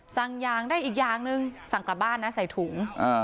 สั่งยางได้อีกอย่างหนึ่งสั่งกลับบ้านนะใส่ถุง